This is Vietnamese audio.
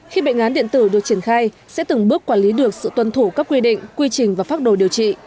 khi bệnh án điện tử được triển khai sẽ từng bước quản lý được sự tuân thủ các quy định quy trình và phác đồ điều trị